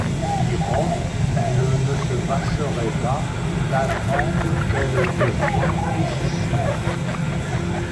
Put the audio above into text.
Irobe, èle ne se vacherait bas t’abbrentre qu’ele tefient rigissime...